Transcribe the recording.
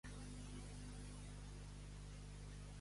A qui pertany Aranow?